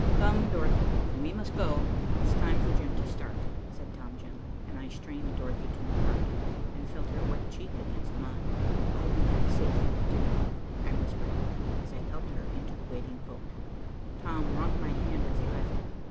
"Come, Dorothy, we must go. It's time for Jim to start," said Tom gently, and I strained Dorothy to my heart and felt her wet cheek against mine. "I'll be back safely, dear love," I whispered, as I helped her into the waiting boat. Tom wrung my hand as he left.